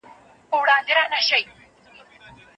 د دوی کارنامې د یوه ځانګړي پړاو په توګه دي.